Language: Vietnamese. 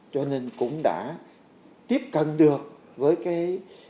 cho nên cũng đã tiếp cận được với cái